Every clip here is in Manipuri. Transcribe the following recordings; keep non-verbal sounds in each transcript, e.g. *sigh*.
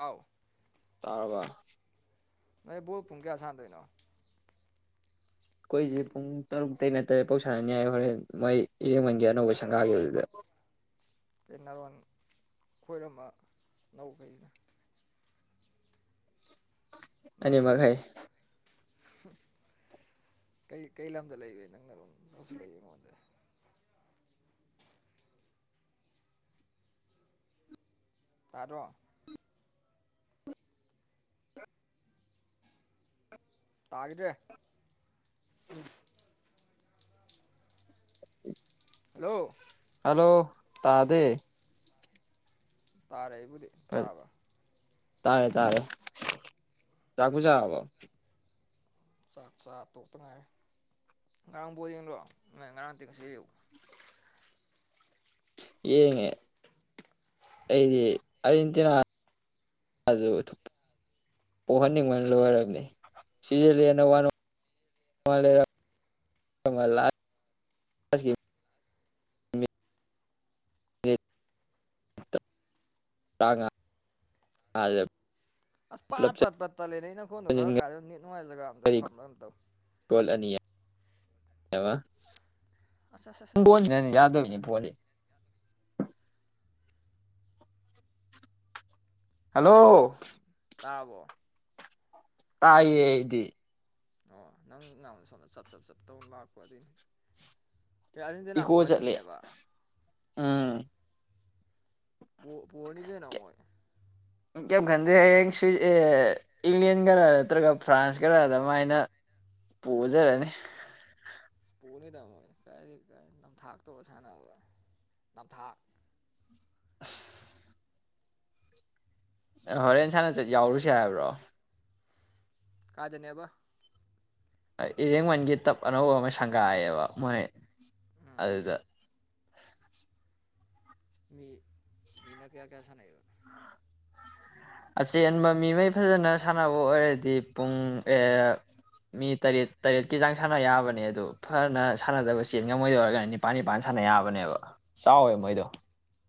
ꯑꯥꯎ ꯇꯥꯔꯕ ꯅꯣꯏ ꯕꯣꯜ ꯄꯨꯡ ꯀꯌꯥ ꯁꯥꯟꯅꯗꯣꯏꯅꯣ꯫ ꯑꯩꯈꯣꯏꯁꯦ ꯄꯨꯡ ꯇꯔꯨꯇꯩꯅ ꯇ꯭ꯔꯦꯠ ꯄꯧ ꯁꯥꯟꯅꯅꯤ ꯍꯥꯏꯦ ꯍꯣꯔꯦꯟ ꯃꯣꯏ ꯏꯔꯦꯡꯕꯟꯒꯤ ꯑꯅꯧꯕ ꯁꯪꯒꯥꯈꯤꯕꯗꯨꯗ꯫ ꯇꯦꯅꯥꯔꯣꯟ ꯈꯣꯏꯔꯝꯕ ꯅꯧꯒ꯭ꯔꯤꯗꯨ꯫ ꯑꯅꯤ ꯅꯪꯕꯨ ꯃꯈꯥꯏ ꯀꯩ ꯀꯩ ꯂꯝꯗ ꯂꯩꯕꯩ ꯅꯪꯅꯔꯣꯟ꯫ *unintelligible* ꯂꯩ ꯌꯦ ꯃꯉꯣꯟꯗ꯫ ꯇꯥꯗꯔꯣ꯫ ꯇꯥꯒꯤꯗ꯭ꯔꯦ ꯂꯣ ꯍꯜꯂꯣ ꯇꯥꯗꯦ ꯇꯥꯔꯦ ꯑꯩꯕꯨꯗꯤ ꯍ ꯇꯥꯔꯕ ꯇꯥꯔꯦ ꯇꯥꯔꯦ ꯆꯥꯛꯄꯨ ꯆꯥꯔꯕꯣ ꯆꯥꯛ ꯆꯥ ꯇꯣꯛꯇ ꯉꯥꯏꯔ ꯉꯔꯥꯡ ꯕꯣꯜ ꯌꯦꯡꯗꯔꯣ ꯉꯔꯥꯡ ꯅꯠꯇꯦ ꯉꯁꯤ ꯑꯌꯨꯛ ꯌꯦꯡꯉꯦ ꯑꯩꯗꯤ ꯑꯥꯔꯖꯦꯟꯇꯤꯅꯥ ꯑꯗꯨ ꯄꯣꯛꯍꯟꯅꯤꯡꯕꯅ ꯂꯣꯏꯔꯝꯅꯦ ꯁꯤꯖꯔꯂꯦꯟꯅ ꯋꯥꯔꯧ *inaudible* ꯂꯥꯁꯀꯤ ꯃꯤꯅꯤꯠ ꯇꯥꯉ꯫ ꯑꯁ ꯄꯥꯥ ꯄꯨꯂꯞ ꯄꯥꯠ ꯇꯠꯂꯦ ꯅꯩꯅꯥꯈꯣꯟꯗꯣ ꯈꯔ ꯆꯟꯁꯤꯟꯒꯔꯤ ꯀꯥꯏꯗꯅꯣꯝ ꯅꯦꯠ ꯅꯨꯉꯥꯏ ꯖꯒꯥ ꯑꯝꯗ ꯐꯝꯃ ꯑꯃ ꯇꯧ꯫ ꯕꯣꯜ ꯑꯅꯤ ꯑꯃ ꯑꯁ ꯑꯁ ꯑꯁ ꯕꯣꯟ ꯑꯁ ꯑꯅꯤ ꯌꯥꯗꯕꯅꯤ ꯄꯣꯅꯤ꯫ ꯍꯜꯂꯣ ꯀꯔꯤ ꯇꯥꯔꯕꯣ꯫ ꯇꯥꯏꯌꯦ ꯑꯩꯗꯤ ꯑꯣ ꯅꯪ ꯅꯣꯟꯗ ꯁꯣꯝꯗ ꯆꯞ ꯆꯞ ꯆꯞ ꯇꯧꯅ ꯂꯥꯛꯄ ꯑꯗꯨꯏꯅꯤ꯫ ꯑꯦ ꯑꯥꯔꯖꯦꯟꯇꯤꯅꯥ ꯏꯀꯣ ꯆꯠꯂꯦ ꯄꯣꯍꯟꯅꯤꯡꯉꯦꯕ ꯎꯝ꯫ ꯄꯣꯔꯅꯤ ꯀꯩꯗꯣ ꯃꯣꯏ꯫ ꯀꯩꯝ ꯈꯟꯗꯦꯍꯦ ꯍꯌꯦꯡ ꯁꯨꯏ ꯑꯦ꯫ ꯏꯪꯂꯦꯟ ꯒꯔ ꯅꯠꯇ꯭ꯔꯒ ꯐ꯭ꯔꯥꯟꯁ ꯀꯔ ꯑꯗꯨꯃꯥꯏꯅ ꯄꯨꯖꯔꯅꯤ꯫ ꯄꯨꯅꯤꯗ ꯀꯥꯏꯗꯩ ꯀꯥꯏꯗꯩꯩ ꯅꯝꯊꯥꯛꯇꯧꯔ ꯁꯥꯟꯅꯔꯒ ꯅꯝꯊꯥꯛ꯫ *inaudible* ꯍꯣꯔꯦꯟ ꯁꯥꯥꯟꯅꯆꯠ ꯌꯥꯎꯔꯨꯁꯦ ꯍꯥꯏꯕ꯭ꯔꯣ꯫ ꯀꯥꯏꯗꯅꯦꯕ꯫ ꯏꯔꯦꯡꯃꯟꯒꯤ ꯇꯞ ꯑꯅꯧꯕ ꯑꯃ ꯁꯪꯒꯥꯏꯌꯦꯕ ꯃꯣꯏ ꯎꯝ ꯑꯗꯨꯗ꯫ ꯃꯤ ꯃꯤꯅꯥ ꯀꯌꯥ ꯀꯌꯥꯁꯥꯅꯩꯕ꯫ ꯑꯆꯦꯟꯕ ꯃꯤꯃꯩ ꯐꯖꯅ ꯁꯥꯟꯅꯕ ꯑꯣꯏꯔꯗꯤ ꯄꯨꯡ ꯑꯩꯌꯦꯠ꯫ ꯃꯤ ꯇꯔꯦꯠ ꯇꯔꯦꯠꯀꯤ ꯆꯥꯡ ꯁꯥꯟꯅ ꯌꯥꯕꯅꯦ ꯑꯗꯨ ꯐꯅ ꯁꯥꯟꯅꯗꯕ ꯆꯦꯟ ꯉꯝꯃꯣꯏꯗ ꯑꯣꯏꯔꯒꯅ ꯅꯤꯄꯥꯟ ꯅꯤꯄꯥꯥꯟ ꯁꯥꯟꯅ ꯌꯥꯕꯅꯦꯕ ꯆꯥꯎꯋꯦ ꯃꯣꯏꯗꯣ꯫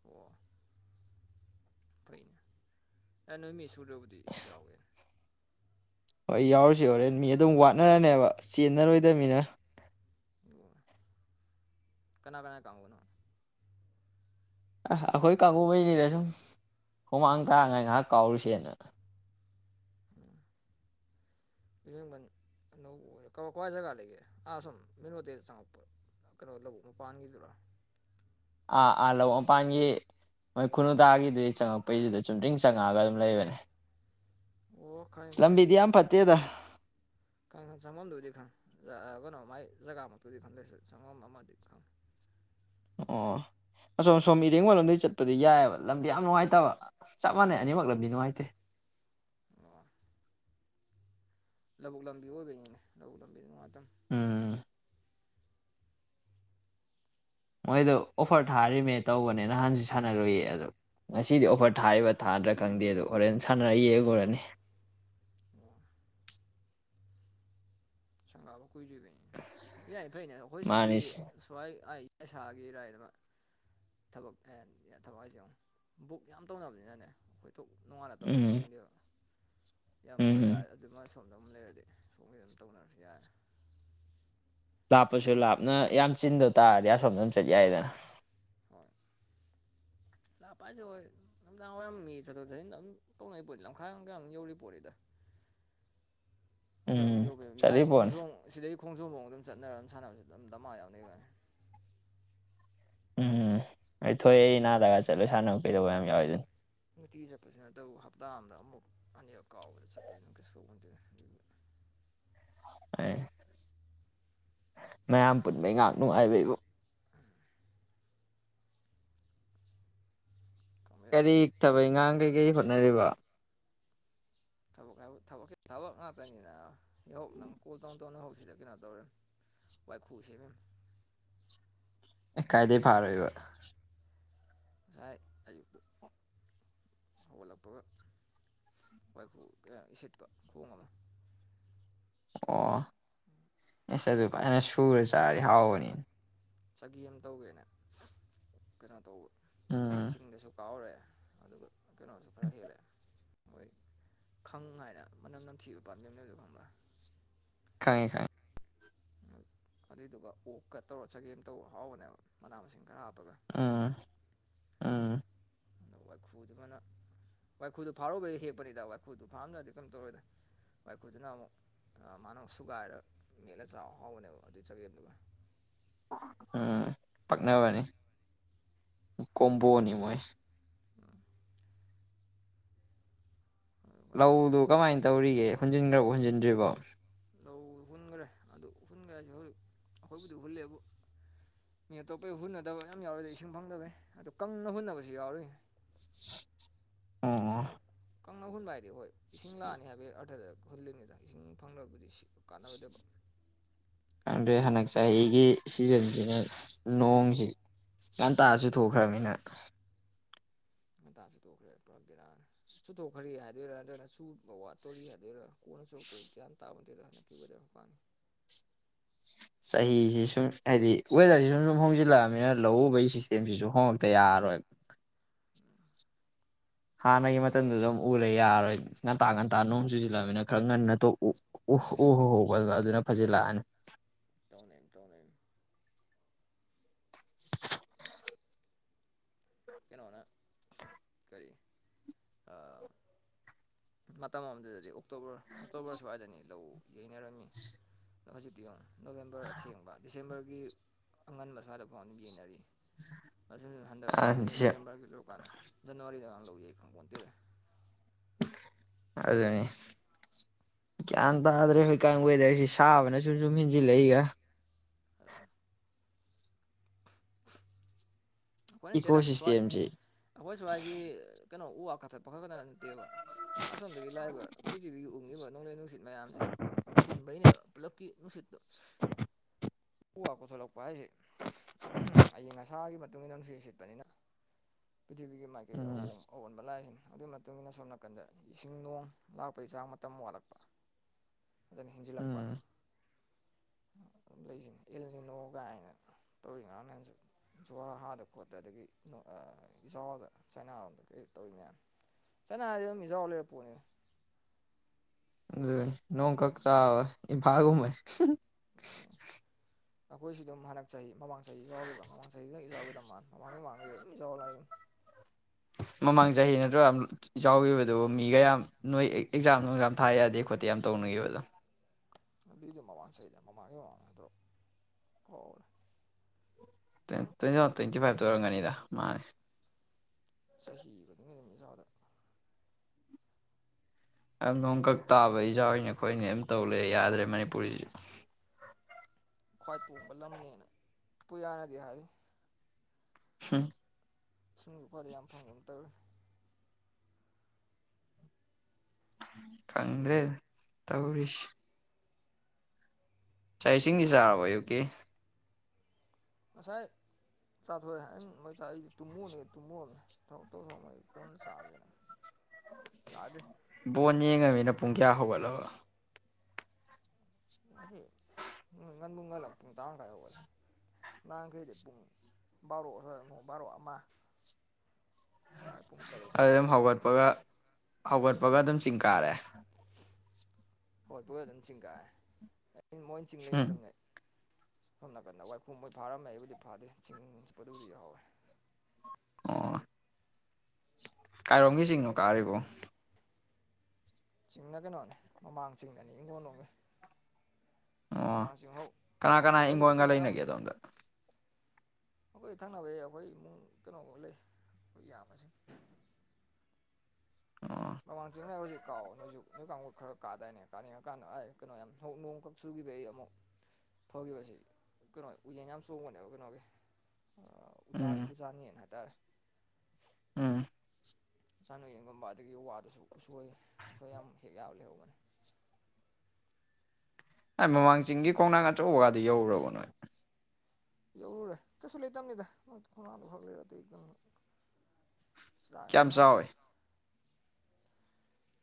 ꯑꯣ꯫ ꯐꯩꯅꯦ ꯑꯦ ꯅꯣꯏ ꯃꯤ ꯁꯨꯗꯔꯕꯨꯗꯤ ꯌꯥꯎꯒꯦꯅꯦ꯫ ꯍꯣꯏ ꯑꯩ ꯌꯥꯎꯔꯁꯤ ꯍꯣꯔꯦꯟ ꯃꯤ ꯑꯗꯨꯝ ꯋꯥꯠꯅꯔꯅꯦꯕ ꯆꯦꯟꯅꯔꯣꯏꯗꯕꯅꯤꯅ꯫ ꯑꯣ ꯀꯅꯥ ꯀꯅꯥ ꯀꯥꯡꯕꯨꯅꯣ꯫ ꯑ ꯑꯩꯈꯣꯏ ꯀꯥꯡꯕꯨꯃꯩꯁꯤꯅ ꯁꯨꯝ ꯍꯨꯃꯥꯡ ꯇꯥꯉꯥꯏ ꯉꯥꯏꯍꯥꯛ ꯀꯥꯎꯔꯨꯁꯦꯅ꯫ ꯑꯣ꯫ ꯏꯔꯦꯡꯕꯟ ꯑꯅꯧꯕꯔ ꯑꯣꯏꯔꯦ ꯀꯋꯥꯏ ꯀꯋꯥꯥꯏ ꯖꯒꯥꯗ ꯂꯩꯒꯦ ꯑꯥ ꯁꯣꯝ ꯃꯦꯟꯔꯥꯑꯣꯗ ꯇꯥꯒꯤ ꯆꯪꯉꯛꯄꯣ꯫ ꯀꯩꯅꯣ ꯂꯧꯗ ꯃꯄꯥꯟꯒꯤꯗꯨꯔꯣ꯫ ꯑ ꯑꯂꯣ ꯄꯒꯤ ꯃꯣꯏ ꯈꯨꯅꯨꯇꯥꯒꯤꯗꯨꯗ ꯆꯪꯉꯛꯄꯩꯁꯤꯗ ꯆꯨꯝꯇ꯭ꯔꯤꯡ ꯆꯪꯉꯛꯑꯒ ꯑꯗꯨꯝ ꯂꯩꯕꯅꯦ꯫ ꯑꯣ ꯑꯁ ꯈꯪꯉꯦ ꯈꯪꯉꯦ ꯂꯝꯕꯤꯗꯤ ꯑꯩ꯫ ꯌꯥꯝ ꯐꯠꯇꯦꯗ ꯈꯪ ꯆꯪꯕꯝꯗꯨꯗꯤ ꯈꯪꯏ ꯀꯩꯅꯣ ꯃꯥꯏ ꯖꯒꯥꯃꯛꯇꯨꯗꯤ ꯈꯪꯗ꯭ꯔꯥꯁꯨ ꯆꯪꯕꯝ ꯑꯃꯗꯤ ꯈꯪꯉꯦ꯫ ꯑꯣ ꯑꯁꯣꯝ ꯁꯣꯝ ꯏꯔꯦꯡꯕꯟꯂꯣꯝꯗꯩꯩ ꯆꯠꯄꯗꯤ ꯌꯥꯏꯑꯦꯕ ꯂꯝꯕꯤ ꯌꯥꯝ ꯅꯨꯡꯉꯥꯏꯇꯕ ꯆꯞ ꯃꯥꯟꯅꯩ ꯑꯅꯤꯃꯛ ꯂꯝꯗꯤ ꯅꯨꯡꯉꯥꯏꯇꯦ꯫ ꯑꯣ ꯂꯧꯕꯨꯛ ꯂꯝꯕꯤ ꯑꯣꯏꯕꯅꯤꯅꯦ ꯂꯧꯕꯨꯛ ꯂꯝꯕꯤꯗ ꯅꯨꯡꯉꯥꯏꯇꯝ꯫ ꯎꯝ꯫ ꯃꯣꯏꯗꯨ ꯑꯣꯐꯔ ꯊꯥꯔꯤꯃꯦ ꯇꯧꯕꯅꯦ ꯅꯍꯥꯟꯁꯨ ꯁꯥꯟꯅꯔꯨꯏꯌꯦ ꯑꯗꯨ꯫ ꯉꯁꯤꯗꯤ ꯑꯣꯐꯔ ꯊꯥꯔꯤꯕ ꯊꯥꯗ꯭ꯔꯥ ꯈꯪꯗꯦ ꯑꯗꯣ ꯍꯣꯔꯦꯟ ꯁꯥꯟꯅꯔ ꯌꯦꯡꯉꯨꯔꯅꯤ꯫ ꯑꯣ꯫ ꯁꯪꯒꯥꯕ ꯀꯨꯏꯗꯔꯤꯕꯩꯅꯤꯅꯦ ꯌꯥꯏ ꯐꯩꯅꯦ ꯑꯩꯈꯣꯏ ꯁꯤꯒꯤ꯫ ꯃꯥꯅꯤꯁꯦ ꯁꯋꯥꯏ ꯑꯩ ꯌꯥ ꯁꯥꯒꯦꯔꯥꯏꯗꯃ ꯊꯕꯛ *unintelligible* ꯊꯕꯛ ꯍꯥꯏꯁꯤꯌꯣ ꯕꯨꯛ ꯌꯥꯝ ꯇꯧꯅꯕꯅꯤꯅꯅꯦ ꯑꯩꯈꯣꯏ꯫ ꯇꯣꯛ ꯅꯨꯡꯉꯥꯟꯂ ꯇꯧꯒꯦ ꯎꯝ ꯐꯪꯗꯦꯕ꯫ ꯌꯥꯝ ꯎꯝ ꯐꯔꯦ ꯎꯝ ꯑꯗꯨꯃꯥꯏ ꯁꯣꯝꯗ ꯑꯃꯝ ꯂꯩꯔꯗꯤ ꯁꯣꯝꯒꯤ ꯑꯗꯨꯝ ꯇꯧꯅꯔꯁꯨ ꯌꯥꯏꯔꯦ꯫ ꯂꯥꯞꯄꯁꯨ ꯂꯥꯞꯅ ꯌꯥꯝ ꯆꯤꯟꯗ ꯇꯥꯔꯗꯤ ꯑꯁꯣꯝꯗ ꯑꯗꯨꯝ ꯆꯠꯄ ꯌꯥꯏꯗꯅ꯫ ꯍꯣꯏ *unintelligible* ꯍꯣꯏ꯫ ꯅꯨꯡꯗꯥꯡ ꯋꯥꯏꯔꯝ ꯃꯤ ꯆꯠꯊꯣꯛ ꯆꯠꯁꯤꯟ ꯑꯗꯨꯝ ꯇꯧꯅꯔꯤ ꯄꯣꯠꯅꯤ ꯂꯝꯈꯥꯏꯒ ꯀꯩꯒꯥꯡ ꯑꯗꯨꯝ ꯌꯧꯔꯤ ꯄꯣꯠꯅꯤꯗ꯫ ꯎꯝ ꯑꯁꯨꯋꯥꯏꯕꯣꯡ ꯌꯧꯕꯩꯔ ꯈꯪꯗꯦ ꯆꯠꯂꯤ ꯑꯥꯏ ꯄꯣꯠꯅꯤ ꯈꯣꯡꯖꯣꯝ ꯁꯤꯗꯒꯤ ꯈꯣꯡꯖꯣꯝꯐꯥꯎ ꯑꯗꯨꯝ ꯆꯠꯅꯔ ꯑꯗꯨꯝ ꯁꯥꯟꯅꯕꯁꯤꯗ ꯑꯗꯨꯝ ꯗꯃꯥ ꯌꯥꯎꯅꯩ ꯕꯥꯏꯅꯤ꯫ ꯎꯝ ꯑꯩ ꯊꯣꯛꯑꯦ ꯅꯥꯗꯒꯥ ꯆꯠꯂꯒ ꯁꯥꯟꯅꯕ ꯀꯩꯗꯧꯕ ꯌꯥꯝ ꯌꯥꯎꯋꯤꯗꯨꯅꯤ꯫ ꯅꯨꯡꯇꯤ ꯆꯠꯄꯁꯨ ꯅꯠꯇꯕꯨ ꯍꯞꯇꯥ ꯑꯃꯗ ꯑꯃꯨꯛ ꯑꯅꯤꯔꯛ ꯀꯥꯎꯕꯗ ꯆꯠꯄꯁꯤꯅ ꯀꯩꯁ ꯇꯧꯕꯣꯟꯇꯦ ꯑꯗꯨꯏꯕꯨꯗꯤ꯫ ꯑꯦ꯫ ꯃꯌꯥꯝ ꯄꯨꯟꯕꯩ ꯉꯥꯛ ꯅꯨꯡꯉꯥꯏꯕꯩꯕꯨ꯫ *inaudible* ꯀꯃꯥꯏꯅ ꯀꯔꯤ ꯊꯕꯥꯛ ꯏꯪꯈꯥꯡ ꯀꯩꯀꯩ ꯍꯣꯠꯅꯔꯤꯕ꯫ ꯊꯕꯛ ꯍꯥꯏꯕꯥ ꯊꯕꯛꯁꯦ ꯊꯕꯛ ꯉꯥꯛꯇꯅꯤꯅ ꯌꯍꯧ ꯅꯪ ꯀꯣꯜ ꯇꯧ ꯇꯣꯅꯥꯍꯧꯁꯤꯗ ꯀꯩꯅꯣ ꯇꯧꯔꯦ ꯋꯥꯏꯈꯨ ꯁꯦꯝꯃꯦ ꯑꯩ ꯀꯥꯏꯗꯩꯩ ꯐꯥꯔꯒ ꯉꯥꯁꯥꯏ ꯑꯌꯨꯛꯇꯨ꯫ ꯍꯧꯒꯠꯂꯛꯄꯒ ꯋꯥꯏꯈꯨ ꯀꯌꯥ ꯏꯁꯤꯠꯄ ꯈꯣꯡ ꯑꯃ꯫ ꯑꯣ ꯏꯁꯁ ꯑꯗꯨ ꯐꯥꯖꯅ ꯁꯨꯔ ꯆꯥꯔꯗꯤ ꯍꯥꯎꯕꯅꯤꯅꯦ꯫ ꯆꯒꯤ ꯌꯥꯝ ꯇꯧꯋꯦꯅ ꯀꯩꯅꯣ ꯇꯧꯕ꯫ ꯎꯝ ꯆꯤꯡꯗꯁꯨ ꯀꯥꯎꯔꯦ ꯑꯗꯨꯒ ꯀꯩꯅꯣꯁꯨ ꯈꯔ ꯍꯦꯜꯂꯦ ꯃꯣꯏ ꯈꯪ ꯍꯥꯏꯅ ꯃꯅꯝ ꯅꯝꯊꯤꯕ ꯄꯥꯝꯕꯤ ꯑꯃ ꯂꯩꯕꯗꯣ ꯈꯪꯕ꯭ꯔꯥ ꯈꯪꯉꯦ ꯈꯪꯉꯦ ꯑꯗꯨꯏꯗꯨꯒ ꯑꯣꯛꯀ ꯇꯧꯔ ꯆꯒꯦꯝ ꯇꯧꯔ ꯍꯥꯎꯕꯅꯦꯕ ꯃꯅꯥ ꯃꯁꯤꯡ ꯈꯔ ꯍꯥꯞꯄꯒ ꯎꯝ ꯎꯝ ꯅ ꯋꯥꯏꯈꯨꯗꯨꯒꯅ ꯋꯥꯏꯈꯨꯗꯨ ꯐꯥꯔꯨꯕꯩ ꯍꯦꯛꯄꯅꯤꯗ ꯋꯥꯏꯈꯨꯗꯨ ꯐꯥꯔꯨꯕꯩ ꯍꯦꯛꯄꯅꯤꯗ ꯋꯥꯏꯈꯨꯗꯨ ꯐꯔꯝꯗꯔ꯭ꯗꯤ ꯀꯩꯝ ꯇꯧꯔꯣꯏꯗ ꯋꯥꯏꯈꯨꯗꯨꯅ ꯑꯃꯨꯛ ꯃꯥꯅ ꯁꯨꯒꯥꯏꯔ ꯃꯦꯠꯂ ꯆꯥꯎ ꯍꯥꯎꯕꯅꯦꯕ ꯑꯗꯩꯩ ꯆꯒꯦꯝꯗꯨꯒ ꯎꯝ ꯄꯛꯅꯔꯅꯤ ꯀꯣꯝꯕꯣꯅꯤ ꯃꯣꯏ ꯎꯝ ꯋꯥꯏꯈꯨ ꯂꯧꯗꯨ ꯈꯔ ꯀꯃꯥꯏ ꯇꯧꯔꯤꯒꯦ ꯍꯨꯟꯖꯤꯟꯈ꯭ꯔꯕꯣ ꯍꯣꯟꯖꯤꯟꯗ꯭ꯔꯤꯕꯣ ꯂꯧ ꯍꯨꯟꯈ꯭ꯔꯦ ꯑꯗꯨ ꯍꯨꯟꯈ꯭ꯔꯦꯁꯨ ꯍꯧꯖꯤꯛ ꯑꯩꯈꯣꯏꯕꯨꯗꯤ ꯍꯨꯜꯂꯦꯕꯨ ꯃꯤ ꯑꯇꯣꯞꯄꯩ ꯍꯨꯟꯅꯗꯕ ꯌꯥꯝ ꯌꯥꯎꯏꯗ ꯏꯁꯤꯡ ꯐꯪꯗꯕꯩ ꯑꯗꯨ ꯀꯪꯅ ꯍꯨꯟꯅꯕꯁꯨ ꯌꯥꯎꯔꯤ ꯑꯣ ꯏꯁꯤꯡ ꯀꯪꯅ ꯍꯨꯟꯕ ꯍꯥꯏꯗꯤ ꯍꯣꯏ ꯏꯁꯤꯡ ꯂꯥꯛꯑꯅꯤ ꯍꯥꯏꯕꯒꯤ ꯑꯔꯊꯗ ꯍꯨꯜꯂꯤꯕꯅꯤꯗ ꯏꯁꯤꯡ ꯐꯪꯂꯕꯗꯤ ꯁꯤ ꯀꯥꯟꯅꯔꯣꯏꯗꯕ ꯑꯗꯨꯗꯩ ꯍꯟꯗꯛ ꯆꯍꯤꯒꯤ ꯁꯤꯖꯁꯤꯅ ꯅꯣꯡꯁꯤ ꯁꯟꯇꯥ ꯆꯨꯊꯣꯛꯈꯔ꯭ꯃꯤꯅꯥ ꯉꯟꯇ ꯆꯨꯊꯣꯛꯈꯔ꯭ꯦ ꯄꯨꯔꯥ ꯕꯦꯔꯥꯅꯦ ꯆꯨꯊꯣꯛꯈ꯭ꯔꯗꯤ ꯍꯥꯏꯗꯣꯏꯔꯥ ꯅꯠꯇ꯭ꯔꯒꯅ ꯆꯨꯕꯥ ꯋꯥꯠꯇꯣꯔꯤ ꯍꯥꯏꯗꯣꯏꯔꯥ ꯀꯣꯟꯅ ꯆꯨꯔꯛꯇꯣꯏꯔ ꯒꯌ꯭ꯥꯟ ꯇꯄꯣꯟꯇꯦꯗ ꯆꯨꯒꯗꯔꯥ ꯀꯥꯟ ꯆꯍꯤꯁꯤ ꯁꯨꯝ ꯍꯥꯏꯗꯤ ꯋꯦꯗꯔꯁꯤ ꯁꯨꯝ ꯁꯨꯝ ꯍꯣꯡꯖꯤꯜꯂꯛꯑꯕꯅꯤꯅ ꯂꯧꯎꯕꯒꯤ ꯁꯤꯁꯇꯦꯝꯁꯤꯁꯨ ꯍꯣꯡꯉꯛꯇ ꯌꯥꯔꯣꯏ ꯍꯥꯟꯅꯒꯤ ꯃꯇꯝꯗꯨꯗ ꯑꯃꯨꯛ ꯎꯔ ꯂꯩ ꯌꯥꯔꯣꯏ ꯉꯟꯇꯥ ꯉꯟꯇꯥ ꯅꯣꯡ ꯆꯨꯁꯤꯜꯂꯃꯤꯅ ꯈꯔ ꯉꯟꯅ ꯇꯣꯛ ꯎ ꯎ ꯎ ꯍꯧꯕ ꯑꯗꯨ ꯑꯗꯨꯅ ꯐꯖꯜꯂꯛꯑꯅꯤ ꯇꯧꯅꯦꯟ ꯇꯧꯅꯦꯟ ꯀꯩꯅꯣꯅ ꯀꯔꯤ ꯑꯥ ꯃꯇꯝ ꯑꯃꯗꯨꯗꯗꯤ ꯑꯣꯛꯇꯣꯕꯔ ꯑꯣꯛꯇꯣꯕꯔ ꯁ꯭ꯋꯥꯏꯗꯅꯤ ꯂꯧ ꯌꯩꯅꯔꯝꯃꯤ ꯅꯪ ꯍꯖꯤꯛꯇꯤ ꯌꯦꯡꯉꯨ ꯅꯣꯕꯦꯝꯕꯔ ꯑꯊꯦꯡꯕ ꯗꯤꯁꯦꯝꯕꯔꯒꯤ ꯑꯉꯟꯕ ꯁ꯭ꯋꯥꯏꯗꯐꯥꯎꯅ ꯌꯦꯡꯅꯔꯤ ꯑꯁꯤꯅ ꯍꯟꯗꯛꯁꯨꯃꯥꯏꯅꯥ ꯍꯌꯦꯡ ꯑꯗꯨꯁꯨ ꯗꯤꯁꯦꯝꯕꯔꯒꯤ ꯂꯨꯔꯀꯥꯟ ꯖꯅꯋꯥꯔꯤꯗ ꯉꯔꯥꯡ ꯂꯧꯌꯩ ꯈꯪꯄꯣꯟꯇꯦꯗꯥ ꯑꯗꯨꯅꯤ ꯒ꯭ꯌꯥꯟ ꯇꯥꯗ꯭ꯔꯦ ꯍꯧꯏꯀꯥꯟ ꯋꯦꯗꯔꯁꯤ ꯁꯥꯕꯅꯁꯨ ꯁꯨꯝ ꯍꯦꯟꯖꯤꯜꯂꯛꯏꯒ ꯑ ꯑꯩꯈꯣꯏ ꯏꯀꯣ ꯅꯠꯇꯦꯗ ꯁ꯭ꯋꯥꯏ ꯁꯤꯁꯇꯦꯝꯁꯤ ꯑꯩꯈꯣꯏ ꯁ꯭ꯋꯥꯏꯒꯤ ꯀꯩꯅꯣ ꯎ ꯋꯥ ꯀꯥꯊꯠ ꯄꯥꯈꯠꯇꯅ ꯅꯠꯇꯦꯕ ꯑꯁꯣꯟꯗꯒꯤ ꯂꯥꯏꯕ ꯄ꯭ꯔꯤꯊꯤꯕꯤꯒꯤ ꯎꯡꯉꯤꯕ ꯅꯣꯡꯂꯩ ꯅꯨꯡꯁꯤꯠ ꯃꯌꯥꯝꯁꯦ ꯑꯄꯨꯟꯕꯩꯅꯦꯕ ꯄꯨꯜꯂꯞꯀꯤ ꯅꯨꯡꯁꯤꯠꯇꯣ *inaudible* ꯎ ꯋꯥ ꯀꯣꯊꯣꯂꯛꯄ ꯍꯥꯏꯁꯦ ꯎꯝ ꯑꯌꯤꯡ ꯑꯁꯥꯒꯤ ꯃꯇꯨꯡ ꯏꯟꯅ ꯅꯨꯡꯁꯤꯠ ꯁꯤꯠꯄꯅꯤꯅ ꯄ꯭ꯔꯤꯊꯤꯕꯤꯒꯤ ꯃꯥꯏꯀꯩ ꯎꯝ ꯑꯋꯣꯡ ꯑꯑꯣꯟꯕ ꯂꯥꯛꯏꯅꯤ ꯑꯗꯨꯒꯤ ꯃꯇꯨꯡ ꯏꯟꯅ ꯁꯣꯝꯅ ꯀꯟꯗ ꯏꯁꯤꯡ ꯅꯣꯡ ꯂꯥꯛꯄꯩ ꯆꯥꯡ ꯃꯇꯝ ꯋꯥꯠꯂꯛꯄ ꯑꯗꯨꯖꯅ ꯍꯦꯟꯖꯤꯜꯂꯛꯄ ꯎꯝ ꯑꯗꯨꯝ ꯂꯩꯁꯤꯅꯤ ꯏꯜꯅꯤꯅꯣ ꯀꯥꯏꯅ ꯇꯧꯔꯤ ꯉꯥꯡ ꯅꯁꯨ ꯖꯨꯍꯔ ꯍꯥꯗ ꯈꯣꯠꯇ ꯑꯗꯒꯤ ꯏꯖꯥꯎꯗ ꯆꯥꯏꯅꯥꯔꯣꯝꯗ ꯀꯩ ꯇꯧꯔꯤꯅꯦ ꯆꯥꯏꯅꯥꯁꯤ ꯑꯗꯨꯝ ꯏꯖꯥꯎ ꯂꯩꯔ ꯄꯣꯠꯅꯤ ꯅꯣꯡ ꯀꯛꯇ ꯏꯐꯒ ꯎꯃꯦ ꯑꯣ ꯑꯩꯈꯣꯏꯁꯤ ꯑꯗꯨꯝ ꯍꯟꯗꯛ ꯆꯍꯤ ꯃꯃꯥꯡ ꯆꯍꯤ ꯌꯥꯎꯈꯤꯕꯕ ꯃꯃꯥꯡ ꯆꯍꯤꯗꯪ ꯏ ꯌꯥꯥꯎꯈꯤꯗ ꯃ ꯃꯃꯥꯡꯩ ꯃꯥꯡꯗꯗꯤ ꯑꯗꯨꯝ ꯏꯥꯎꯔ ꯂꯥꯛ ꯑꯗꯨꯝ ꯃꯃꯥꯡ ꯆꯍꯤ ꯅꯠꯇ꯭ꯔꯥ ꯌꯥꯎꯈꯤꯕꯗꯨꯕꯨ ꯃꯤꯒꯌꯥꯝ ꯅꯣꯏ ꯑꯦꯛꯖꯥꯝ ꯅꯨꯡꯖꯥꯝ ꯊꯥ ꯌꯥꯗꯦ ꯈꯣꯠꯇꯦ ꯌꯥꯝ ꯇꯧꯅꯤꯡꯈꯤꯕꯕꯗꯣ ꯂꯝꯕꯤꯗꯨꯣ ꯃꯃꯥꯡ ꯆꯍꯤꯗ ꯃꯃꯥꯡꯒꯤ ꯃꯃꯥꯡ ꯅꯗ꯭ꯔꯣ ꯍꯣꯏꯔꯦ ꯭ ꯇ꯭ꯋꯦꯟꯇꯤ ꯐꯥꯏꯚ ꯇ ꯑꯣꯏꯔꯝꯒꯅꯤꯗ ꯃꯥꯅꯦ ꯆꯍꯤ ꯅꯨꯃꯤꯠ ꯏꯁꯥꯗ ꯑꯦꯝ ꯅꯣꯡꯀꯛ ꯇꯥꯕꯩ ꯏꯖꯥꯎꯏꯅꯦ ꯑꯩꯈꯣꯏ ꯅꯦꯝ ꯇꯧꯔ ꯂꯩꯔꯦ ꯌꯥꯗ꯭ꯔꯦ ꯃꯅꯤꯄꯨꯁꯤꯁꯨ ꯈ꯭ꯋꯥꯏꯠ ꯇꯣꯡꯕ ꯂꯝꯅꯦꯅ ꯄꯨꯌꯥꯅꯗꯤ ꯍꯥꯏꯔꯤ ꯍꯝ ꯏꯁꯤꯡ ꯎꯐꯥꯗ ꯌꯥꯝ ꯐꯪꯕ ꯑꯃ ꯇꯧꯔꯦ ꯈꯪꯗ꯭ꯔꯦꯅꯦ ꯇꯧꯔꯤꯁꯦ ꯆꯥꯛ ꯏꯁꯤꯡꯗꯤ ꯆꯥꯔꯕꯣ ꯑꯌꯨꯛꯀꯤ ꯉꯁꯥꯏ ꯆꯥꯊꯣꯏ ꯎꯝ ꯃꯣꯏ ꯆꯥꯛ ꯑꯩꯗꯤ ꯇꯨꯝꯃꯨꯅꯦ ꯇꯨꯝꯃꯨ ꯊꯕꯛ ꯇꯧꯗꯧ ꯃꯩ ꯀꯣꯟꯅꯥ ꯆꯥꯒꯦꯅ ꯆꯥꯗꯦ ꯕꯣꯣꯟ ꯌꯦꯡꯉꯃꯤꯅ ꯄꯨꯡ ꯀꯌꯥ ꯍꯧꯒꯠꯂꯕ ꯉꯁꯤ ꯉꯟꯕꯨꯨꯡ ꯉꯜꯂ ꯄꯨꯡ ꯇꯔꯥꯈꯥꯏ ꯌꯒꯜꯂꯦ ꯅꯥꯀꯩꯗ *unintelligible* ꯀ ꯄꯨꯡ ꯇꯔꯦꯠ ꯑꯗꯨ ꯁꯋꯥꯏ ꯑꯗꯨꯝ ꯇꯨꯝꯁꯤꯜꯂꯛꯑꯕꯃꯤꯅ ꯍꯧꯒꯠꯄꯒ ꯍꯧꯒꯠꯄꯒ ꯑꯗꯨꯝ ꯆꯤꯡ ꯀꯥꯔꯦ ꯍꯣꯏ ꯄꯨ ꯑꯗꯨꯝ ꯆꯤꯡꯒꯥꯏꯑꯦ ꯃꯣꯏ ꯆꯤꯡ ꯂꯩꯕ ꯎꯝ ꯃꯇꯝꯅꯦ ꯁꯣꯝ ꯅꯥꯀꯟꯗ ꯋꯥꯏꯈꯨꯝꯕꯣꯏ ꯐꯥꯔꯝꯃꯦ ꯑꯩꯕꯨꯗꯤ ꯐꯥꯗꯦ ꯆꯤꯡ ꯆꯠꯄꯗꯨꯕꯨꯗꯤ ꯌꯥꯎꯋꯦ ꯑꯣ ꯀꯥꯏꯔꯣꯝꯒꯤ ꯆꯤꯡꯅꯣ ꯀꯥꯔꯤꯕꯣ ꯆꯤꯡꯅ ꯀꯩꯅꯣꯅꯦ ꯃꯃꯥꯡ ꯆꯤꯡꯗꯅꯤ ꯏꯪꯈꯣꯟꯜ ꯅꯨꯡꯃꯤ ꯑꯣ ꯃꯃꯥꯡꯁꯤꯡ ꯍꯧ ꯀꯅꯥ ꯀꯅꯥ ꯃꯃꯥꯡꯁꯤꯡꯗꯣ ꯍꯧꯖꯤꯛ ꯏꯪꯈꯣꯜꯒ ꯀꯩꯅꯣ ꯌꯥꯝ ꯂꯩꯅꯒꯦ ꯑꯗꯣꯝꯗ ꯑꯩꯈꯣꯏ ꯊꯪꯅꯕꯩ ꯑꯩꯈꯣꯏ ꯏꯃꯨꯡ ꯀꯩꯅꯣꯐꯧ ꯂꯩ ꯑꯩꯈꯣꯏ ꯌꯥꯕꯁꯤꯡ ꯑꯣ ꯃꯃꯥꯡ ꯆꯤꯡꯉ ꯍꯧꯖꯤꯛ ꯀꯥꯎꯑꯣ ꯅꯣꯏꯁꯨ ꯅꯣꯏ ꯀꯥꯡꯕꯨ ꯈꯔ ꯀꯥꯗꯥꯏꯦꯅꯦ ꯀꯥꯅꯤꯡꯉ ꯀꯥꯟꯗ ꯑꯩꯥꯏ ꯀꯩꯅꯣ ꯌꯥꯝꯣꯡ ꯅꯣꯡꯛ ꯁꯨꯈꯤꯕ ꯑꯩ ꯑꯃꯨꯛ ꯐꯧꯈꯤꯕꯁꯤ ꯀꯩꯅꯣ ꯎꯌꯦꯟ ꯌꯥꯝ ꯆꯣꯡꯕꯅꯦꯕ ꯀꯩꯅꯣꯒꯤ ꯎꯆ ꯎ ꯎꯝ ꯎꯆ ꯆꯥꯅꯤꯅ ꯍꯥꯏꯇꯥꯔꯦ ꯎꯝ ꯆꯆꯥꯥꯅꯨ ꯌꯦꯡꯒꯨꯝꯕ ꯑꯗꯒꯤ ꯋꯥꯗꯨꯁꯨ ꯎꯁꯣꯏ ꯎꯁꯣꯏ ꯌꯥꯝ ꯍꯦꯛ ꯌꯥꯕ ꯂꯩꯍꯧꯕꯅꯤ ꯍꯥꯏ ꯃꯃꯥꯡ ꯆꯤꯡꯒꯤ ꯈꯣꯡꯅꯥꯡ ꯑꯆꯧꯕꯒꯗꯨ ꯌꯧꯔꯨꯔꯕ ꯅꯣꯏ ꯌꯧꯔꯨꯔꯦ ꯀꯩꯁꯨ ꯂꯩꯇꯕꯅꯤꯗ ꯃꯣꯏ ꯈꯣꯡꯅꯥꯗ ꯈꯥꯎ ꯂꯩꯔꯗꯤꯇꯩ ꯀꯌꯥꯝ ꯇꯥꯏꯅ ꯆꯥꯎꯋꯤ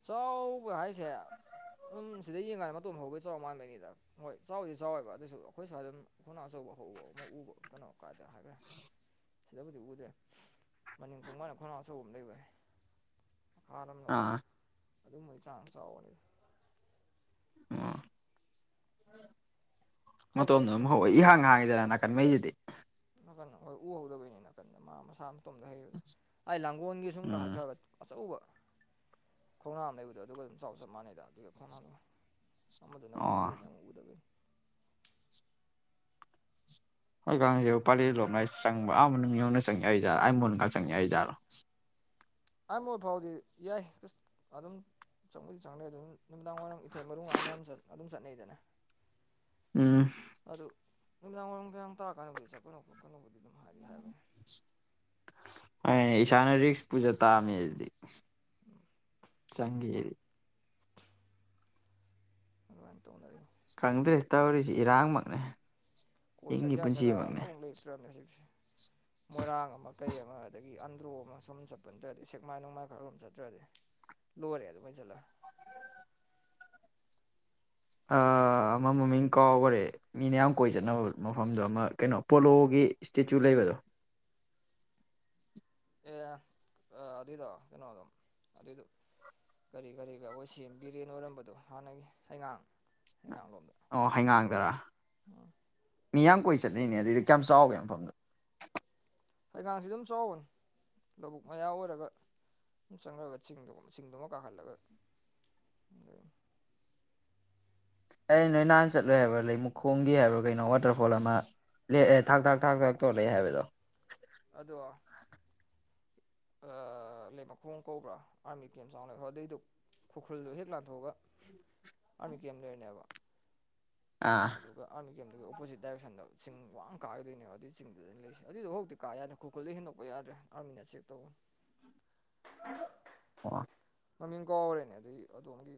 ꯆꯥꯎꯕ ꯍꯥꯏꯁꯦ ꯑꯗꯨꯝ ꯁꯤꯗ ꯌꯦꯡꯀꯥꯟꯗ ꯃꯇꯣꯟꯝ ꯐꯥꯎꯕꯩ ꯆꯥꯎ ꯃꯥꯟꯕꯅꯤꯗ ꯍꯣꯏ ꯆꯥꯎꯗꯤ ꯆꯥꯎꯋꯦꯕ ꯑꯗꯨꯁꯨ ꯑꯩꯈꯣꯏꯁꯨ ꯍꯥꯏ ꯑꯗꯨꯝ ꯍꯅ ꯑꯆꯧꯕ ꯍꯧꯕ ꯑꯃ ꯎꯕ ꯀꯩꯅꯣ ꯀꯥꯏꯗ ꯍꯥꯏꯈ꯭ꯔꯦ ꯁꯤꯗꯕꯨꯗꯤ ꯎꯗ꯭ꯔꯦ ꯃꯅꯤꯡ ꯀꯨꯝꯀꯥꯟꯅ ꯈꯣꯡꯅꯥꯎ ꯑꯆꯧꯕ ꯑꯃ ꯂꯩꯕꯦ ꯈꯥꯔꯂꯣꯝꯗ ꯑꯥ ꯑꯗꯨꯝꯕꯒꯤ ꯆꯥꯡ ꯆꯥꯎꯕꯅꯤꯗ ꯑꯣ ꯃꯇꯣꯝꯗ ꯍꯧꯖꯤꯛꯇꯤ ꯑꯃꯨꯛ ꯍ ꯏꯍꯥꯡ ꯍꯥꯡꯉꯤꯗꯔꯥ ꯅꯥꯀꯟꯈꯩꯁꯤꯗꯤ ꯅꯥꯀꯟꯗ ꯃꯈꯣꯏ ꯎꯍꯧꯗꯕꯩꯅꯤ ꯅꯥꯀꯟꯗ ꯃꯥ ꯃꯁꯥ ꯇꯣꯝꯗ ꯍꯩꯕ ꯑꯩꯏ ꯂꯥꯡꯒꯣꯜꯒꯤ ꯁꯨꯝ ꯎꯝ ꯀꯠꯈ꯭ꯔꯒ ꯑꯆꯧꯕ ꯈꯣꯡꯅꯥ ꯑꯃ ꯂꯩꯕꯗꯣ ꯑꯗꯨꯒ ꯑꯗꯨꯝ ꯆꯥꯎ ꯆꯞ ꯃꯥꯟꯅꯩꯗ ꯑꯗꯨꯒ ꯈꯣꯡꯅꯥꯝꯗꯨ ꯑꯃꯗꯨꯅ ꯑꯣ ꯎꯕꯩꯅꯤ ꯑꯃꯨꯛ ꯎꯗꯕꯩꯅꯤ ꯍꯣꯏꯀꯦ ꯄꯥꯂꯦ ꯂꯣꯝꯅ ꯑꯩ ꯆꯪꯕ ꯑꯃ ꯃꯅꯨꯡ ꯌꯧꯅ ꯆꯪꯉꯦ ꯑꯩꯖꯠꯣ ꯑꯩ ꯃꯣꯟꯗꯒ ꯆꯪꯉꯦ ꯑꯩ ꯖꯠꯣ ꯑꯥꯟꯕ ꯐꯥꯎꯗꯤ ꯌꯥꯏ ꯑꯗꯨꯝ ꯆꯪꯕꯨꯗꯤ ꯆꯪꯗꯩ ꯑꯗꯨꯝ ꯅꯨꯃꯤꯗꯥꯡ ꯋꯥꯏꯔꯝ ꯏꯊꯩ ꯃꯔ ꯃꯔꯥꯡ ꯅꯍꯥꯟ ꯑꯗꯨꯝ ꯆꯠꯅꯩꯗꯅ ꯎꯝ ꯑꯗꯨ ꯅꯨꯃꯤꯗꯥꯡ ꯋꯥꯏꯔꯝ ꯀꯌꯥꯝ ꯇꯥꯀꯥꯟꯗꯕꯨꯗꯤ ꯆꯠꯀꯅꯣ ꯈꯣꯠꯀꯅꯨꯕꯨꯗꯤ ꯑꯗꯨꯝ ꯍꯥꯏꯔꯤ ꯍꯥꯏꯕꯅꯤ ꯍꯥꯏꯅꯦ ꯏꯁꯥꯅ ꯔꯤꯛꯁ ꯄꯨꯖ ꯇꯥꯑꯝꯃꯦ ꯑꯗꯨꯗꯤ ꯆꯪꯈꯤꯗꯤ ꯑꯗꯨꯃꯥꯏꯅ ꯇꯧꯅꯔꯤ ꯈꯪꯗ꯭ꯔꯦ ꯇꯧꯔꯤꯁꯤ ꯏꯔꯥꯡꯃꯛꯅꯦ ꯀꯣꯏ ꯍꯤꯡꯒꯤ ꯆꯠꯌꯥ ꯖꯒꯥ ꯄꯨꯟꯁꯤꯃꯛꯅꯦ ꯑꯃꯨꯛ ꯂꯩꯇ꯭ꯔꯝꯅꯦ ꯍꯧꯖꯤꯛꯁꯦ ꯃꯣꯏꯔꯥꯡ ꯑꯃ ꯀꯩ ꯑꯃ ꯑꯗꯒꯤ ꯑꯟꯗ꯭ꯔꯣ ꯑꯃ ꯁꯨꯝ ꯆꯠꯄꯟꯗ꯭ꯔꯗꯤ ꯁꯦꯛꯃꯥꯏ ꯅꯣꯡꯃꯥꯏ ꯈꯔꯝ ꯆꯠꯇ꯭ꯔꯗꯤ ꯂꯣꯋꯔ ꯍ ꯍꯥꯔꯕꯩꯖꯜ ꯑꯃ ꯃꯃꯤꯡ ꯀꯥꯎꯈꯔꯦ ꯃꯤꯅ ꯌꯥꯝ ꯀꯣꯏ ꯆꯠꯅꯕ ꯃꯐꯝꯗꯣ ꯑꯃ ꯀꯩꯅꯣ ꯄꯣꯂꯣꯒꯤ ꯏꯁꯇꯦꯆꯨ ꯂꯩꯕꯗꯣ ꯑꯦ ꯑꯗꯨꯗꯣ ꯊꯩꯅꯣꯗꯝ ꯑꯗꯨꯗꯨ ꯀꯔꯤ ꯀꯔꯤꯒ ꯑꯩꯈꯣꯏ ꯁꯦꯝꯕꯤꯔꯦꯅ ꯑꯣꯏꯔꯝꯕꯗꯣ ꯍꯥꯟꯅꯒꯤ ꯍꯩꯉꯥꯡ ꯍꯩꯉꯥꯡ ꯂꯣꯝꯗ ꯑꯣ ꯍꯩꯉꯥꯡꯗꯔꯥ ꯃꯤ ꯌꯥꯝ ꯀꯣꯏ ꯆꯠꯅꯩꯅꯦ ꯑꯗꯨꯏꯗꯤ ꯀꯌꯥꯝ ꯆꯥꯎꯒꯦ ꯃꯐꯝꯗ ꯍꯩꯒꯥꯡꯁꯤ ꯑꯗꯨꯝ ꯆꯥꯎꯕꯅꯤ ꯂꯧꯕꯨꯛ ꯃꯌꯥ ꯑꯣꯏꯔꯒ ꯁꯨꯝ ꯆꯪꯉꯒ ꯆꯤꯡꯗ ꯆꯤꯡꯗꯨꯃ ꯀꯥꯍꯜꯂꯒ *inaudible* ꯑꯩ ꯅꯣꯏ ꯅꯍꯥꯟ ꯆꯠꯂꯣꯏ ꯍꯥꯏꯕ꯭ꯔꯥ ꯂꯩ ꯃꯈꯨꯈꯣꯡꯒꯤ ꯍꯥꯏꯕ꯭ꯔꯥ ꯀꯩꯅꯣ ꯋꯥꯇꯔꯐꯣꯜ ꯑꯃ ꯂ ꯑꯦ ꯊꯥꯡ ꯊꯥꯛ ꯊꯥꯡ ꯊꯥꯛ ꯇꯧꯂꯦ ꯍꯥꯏꯕꯗꯣ ꯑꯗꯣ ꯂꯩ ꯃꯈꯣꯡ ꯀꯧꯕ꯭ꯔꯥ ꯑꯥꯔꯃꯤ ꯇꯦꯝ ꯆꯥꯎꯅ ꯍꯗꯩꯗꯨ ꯈꯨꯔꯈꯨꯜꯗꯣ ꯍꯦꯛ ꯂꯥꯟꯊꯣꯛꯑꯒ ꯑꯥꯔꯃꯤ ꯀꯦꯝ ꯂꯩꯔꯅꯦꯕ ꯑꯥ ꯑꯗꯨꯒ ꯑꯥꯔꯃꯤ ꯒꯦꯝꯗꯨꯒꯤ ꯑꯣꯄꯣꯖꯤꯠ ꯗꯥꯏꯔꯦꯛꯁꯟꯗ ꯆꯤꯡ ꯋꯥꯡ ꯀꯥꯈꯤꯗꯣꯏꯅꯦꯕ ꯑꯗꯨꯏ ꯆꯤꯡꯗꯨꯗ ꯂꯩꯁ ꯑꯗꯨꯏꯣ ꯍꯧꯖꯤꯛꯇꯤ ꯀꯥ ꯌꯥꯅ ꯈꯨꯔꯈꯨꯂ ꯍꯦꯟꯗꯣꯛꯄ ꯌꯥꯗ꯭ꯔꯦ ꯑꯥꯔꯃꯤꯅ ꯆꯦꯛ ꯇꯧꯕ *inaudible* ꯃꯃꯤꯡ ꯀꯥꯎꯔꯦꯅꯦ ꯑꯗꯨꯏ ꯑꯗꯣꯝꯒꯤ